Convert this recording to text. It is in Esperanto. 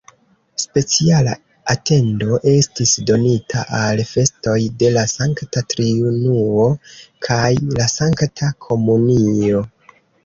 Speciala atento estis donita al festoj de la Sankta Triunuo kaj la Sankta Komunio.